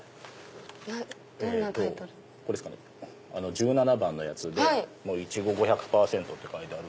１７番のやつで「いちご５００％」って書いてある。